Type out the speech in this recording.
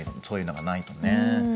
そういうのがないとね。